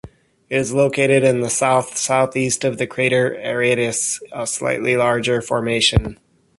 It is located to the south-southeast of the crater Aratus, a slightly larger formation.